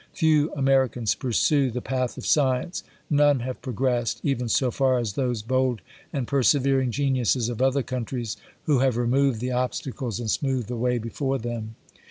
Few Americans pursue the path of science ; none have pro gressed, even so far as those bold and persevering geniuses of other countries, who have removed the ob stacles and smoothed the way before them.